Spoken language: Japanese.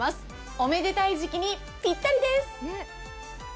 おめでたい時期にぴったりです。